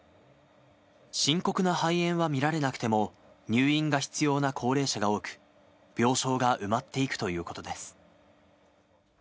深刻な肺炎は見られなくても、入院が必要な高齢者が多く、病床が埋まっていくということです。